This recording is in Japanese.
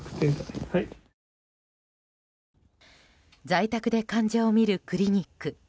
在宅で患者を診るクリニック。